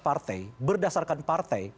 partai berdasarkan partai